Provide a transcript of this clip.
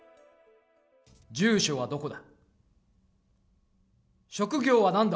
住所はどこだ？